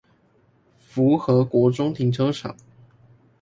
福和國中停車場